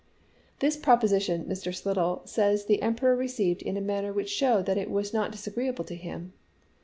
^ This proposition Mr. Slidell says the Emperor received in a manner which showed that it was not disagreeable to him.